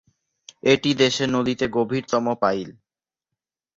এটি দেশের নদীতে গভীরতম পাইল।